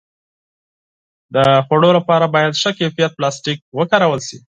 د خوړو لپاره باید ښه کیفیت پلاستيک وکارول شي.